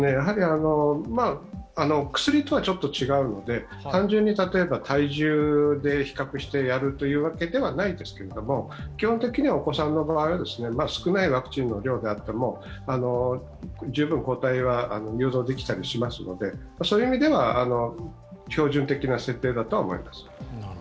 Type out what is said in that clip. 薬とはちょっと違うので、単純に体重で比較してやるというわけではないですけれども、基本的にはお子さんの場合、少ないワクチンの量であっても十分、抗体は誘導できたりしますのでそういう意味では、標準的な設定だとは思います。